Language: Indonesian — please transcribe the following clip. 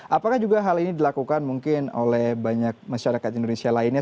apakah juga hal ini dilakukan mungkin oleh banyak masyarakat indonesia lainnya